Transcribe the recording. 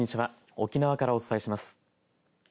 沖縄からお伝えします。